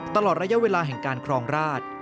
ตลอดระยะเวลาแห่งการครองราช